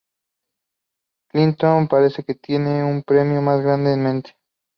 Clinton parece que tiene un premio más grande en mente.